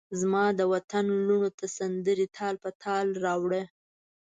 زمادوطن لوڼوته سندرې تال په تال راوړه